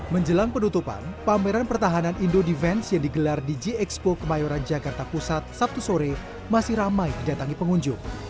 menjelang penutupan pameran pertahanan indo defense yang digelar di g expo kemayoran jakarta pusat sabtu sore masih ramai didatangi pengunjung